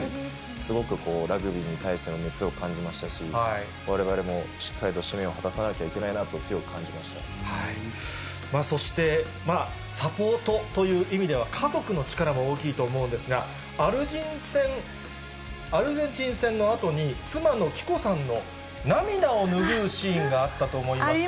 すごくラグビーに対しての熱を感じましたし、われわれもしっかりと使命を果たさなきゃいけないなと、強く感じそして、サポートという意味では、家族の力も大きいと思うんですが、アルゼンチン戦のあとに、妻の貴子さんの涙を拭うシーンがあったと思いますが。